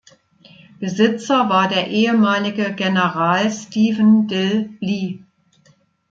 Besitzer war der ehemalige General Stephen Dill Lee.